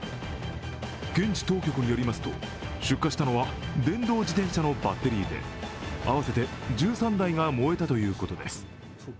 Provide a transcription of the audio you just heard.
現地当局によりますと、出火したのは電動自転車のバッテリーで合わせて１３台が燃えたということです。